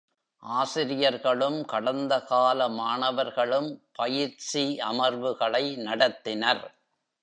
ஆசிரியர்களும் கடந்தகால மாணவர்களும் பயிற்சி அமர்வுகளை நடத்தினர்.